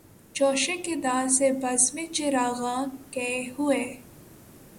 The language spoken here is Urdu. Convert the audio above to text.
جوشِ قدح سے بزمِ چراغاں کئے ہوئے